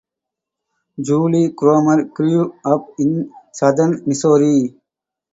Julie Cromer grew up in Southern Missouri.